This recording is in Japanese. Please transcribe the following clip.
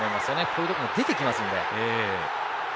こういうところも出てきますので。